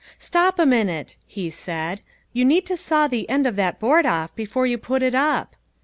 "Stop a minute," he said, "you need to saw the end of that board off before you put it up."